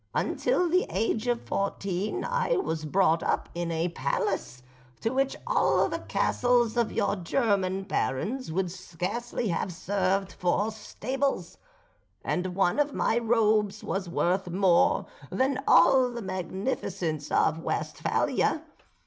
Until the age of fourteen I was brought up in a palace, to which all the castles of your German barons would scarcely have served for stables; and one of my robes was worth more than all the magnificence of Westphalia.